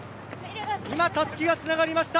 今たすきがつながりました。